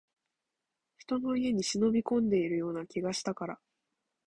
人の家に忍び込んでいるような気がしたから